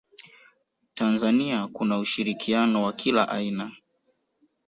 tanzania kuna ushirikiano wa kila aina